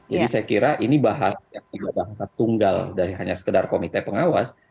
jadi saya kira ini bahas yang tiga bahasa tunggal dari hanya sekedar komite pengawas